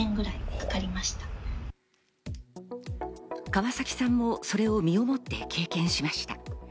川崎さんもそれを身をもって経験しました。